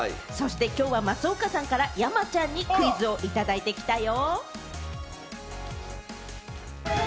きょうは松岡さんから山ちゃんにクイズをいただいてきたよ。